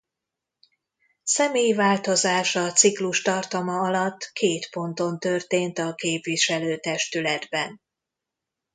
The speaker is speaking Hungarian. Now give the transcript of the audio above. Személyi változás a ciklus tartama alatt két ponton történt a képviselő-testületben.